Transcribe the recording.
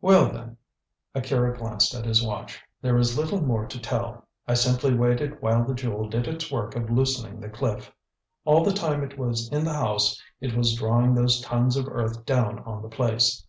"Well, then," Akira glanced at his watch, "there is little more to tell. I simply waited while the Jewel did its work of loosening the cliff. All the time it was in the house it was drawing those tons of earth down on the place.